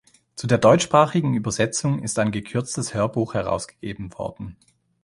Zu der deutschsprachigen Übersetzung ist ein gekürztes Hörbuch herausgegeben worden.